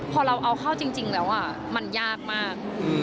พอเราเอาเข้าจริงแล้วมันยากมาก